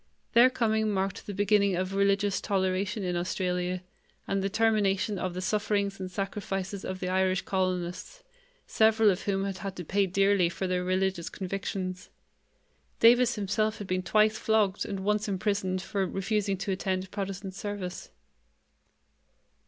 Their coming marked the beginning of religious toleration in Australia and the termination of the sufferings and sacrifices of the Irish colonists, several of whom had had to pay dearly for their religious convictions. Davis himself had been twice flogged and once imprisoned for refusing to attend Protestant service.